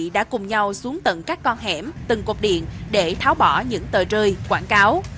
đã cùng nhau xuống tận các con hẻm từng cột điện để tháo bỏ những tờ rơi quảng cáo